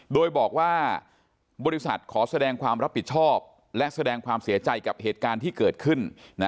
โดยบอกว่าบริษัทขอแสดงความรับผิดชอบและแสดงความเสียใจกับเหตุการณ์ที่เกิดขึ้น